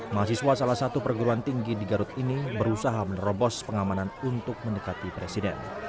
mahasiswa salah satu perguruan tinggi di garut ini berusaha menerobos pengamanan untuk mendekati presiden